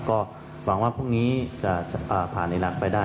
ก็หวังว่าพวกนี้จะผ่านอีรักษ์ไปได้